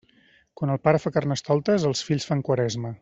Quan el pare fa Carnestoltes, els fills fan Quaresma.